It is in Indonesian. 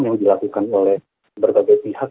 yang dilakukan oleh berbagai pihak